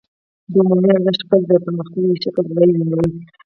د عمومي ارزښت شکل د پرمختللي شکل ځای ونیو